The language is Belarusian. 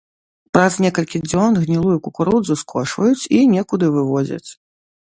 Праз некалькі дзён гнілую кукурузу скошваюць і некуды вывозяць.